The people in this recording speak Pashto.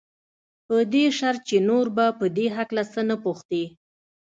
په دې شرط چې نور به په دې هکله څه نه پوښتې.